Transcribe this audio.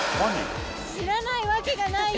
知らないわけがないよ。